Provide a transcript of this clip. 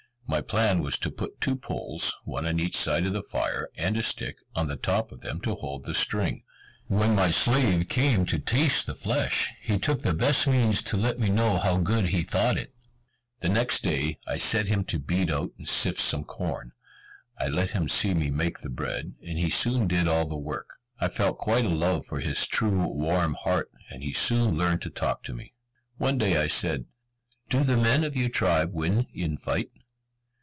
My plan was to put two poles, one on each side of the fire, and a stick, on the top of them to hold the string. When my slave came to taste the flesh, he took the best means to let me know how good he thought it. The next day I set him to beat out and sift some corn. I let him see me make the bread, and he soon did all the work. I felt quite a love for his true, warm heart, and he soon learnt to talk to me. One day I said, "Do the men of your tribe win in fight?"